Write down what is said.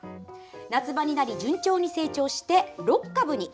夏場になり順調に成長して６株に。